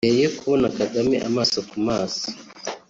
Mbere yo Kubona Kagame amaso ku maso